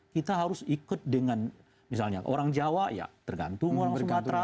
kita harus ikut dengan misalnya orang jawa ya tergantung orang sumatera